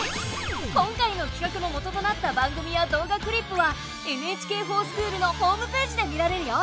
今回のきかくの元となった番組や動画クリップは「ＮＨＫｆｏｒＳｃｈｏｏｌ」のホームページで見られるよ。